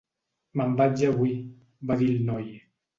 "Me'n vaig avui", va dir el noi.